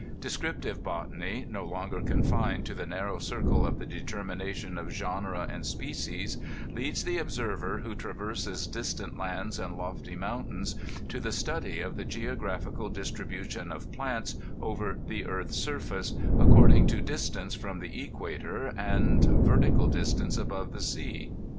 Descriptive botany, no longer confined to the nar row circle of the determination of genera and species, leads the observer who traverses distant lands and lofty mountains to the 6tu4y of the geographical distribution of plants over the earth's surface, according to distance from the equator and ver tical elevation above tl^ sea.